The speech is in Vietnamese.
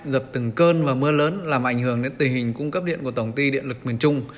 dập từng cơn và mưa lớn làm ảnh hưởng đến tình hình cung cấp điện của tổng ty điện lực miền trung